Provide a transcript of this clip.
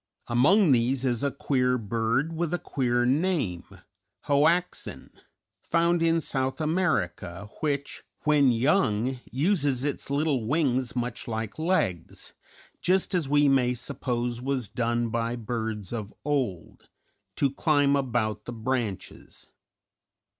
Among these is a queer bird with a queer name, Hoactzin, found in South America, which when young uses its little wings much like legs, just as we may suppose was done by birds of old, to climb about the branches.